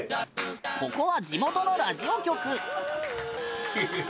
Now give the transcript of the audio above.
ここは地元のラジオ局。